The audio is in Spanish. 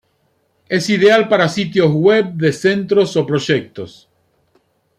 Es ideal para sitios web de centros o proyectos.